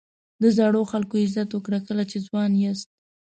د زړو خلکو عزت وکړه کله چې ځوان یاست.